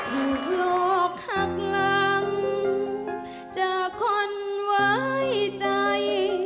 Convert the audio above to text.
ถูกหลอกหักหลังจากคนไว้ใจ